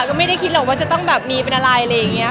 ก็ไม่ได้คิดหรอกว่าจะต้องแบบมีเป็นอะไรอะไรอย่างนี้